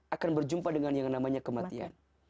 akan berjumpa dengan yang namanya kematian